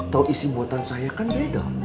tau isi buatan saya kan beda